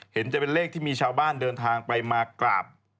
เห็นจะเป็นเลขที่มีชาวบ้านเดินทางไปมากราบ